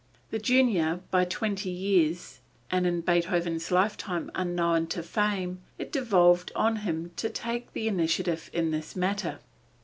The junior by twenty years, and in Beethoven's lifetime unknown to fame, it devolved on him to take the initiative in this matter.